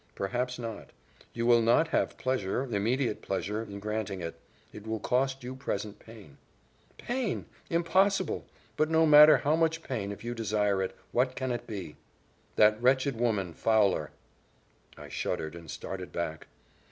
"Perhaps not. You will not have pleasure immediate pleasure in granting it: it will cost you present pain." "Pain! impossible! but no matter how much pain if you desire it. What can it be?" "That wretched woman Fowler!" I shuddered and started back.